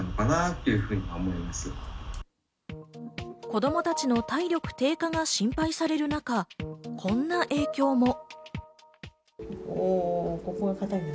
子供たちの体力低下が心配される中、こんな影響も。